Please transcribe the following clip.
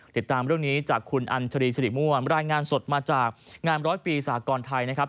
ติดตามเรื่องนี้จากคุณอัญชรีสิริมั่วมรายงานสดมาจากงานร้อยปีสากรไทยนะครับ